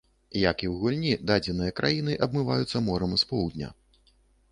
Як і ў гульні, дадзеныя краіны абмываюцца морам з поўдня.